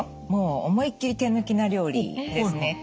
もう思いっきり手抜きな料理ですね。